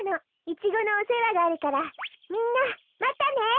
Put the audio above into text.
イチゴのおせわがあるからみんなまたね。